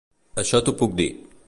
Això t'ho puc dir.